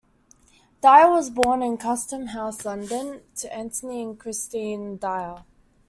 Dyer was born in Custom House, London, to Antony and Christine Dyer.